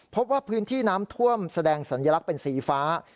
พบว่าพื้นที่น้ำท่วมแสดงสัญลักษณ์เป็นสีฟ้า